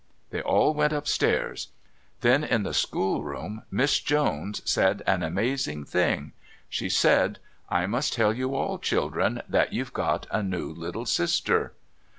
They all went upstairs. Then, in the schoolroom, Miss Jones said an amazing thing. She said: "I must tell you all, children, that you've got a new little sister."